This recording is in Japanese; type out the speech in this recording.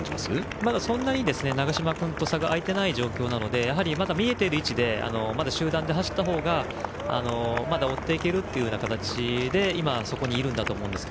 まだ、そんなに長嶋君と差が開いていない状況なのでまだ見えている位置で集団で走った方が追っていけるという形で今、そこにいるんだと思います。